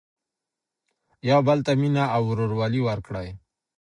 يو بل ته مينه او ورورولي ورکړئ.